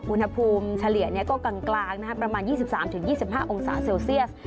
เฉลี่ยก็กลางประมาณ๒๓๒๕องศาเซลเซียส